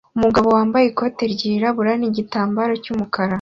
Umugabo wambaye ikote ryirabura nigitambara cyumukara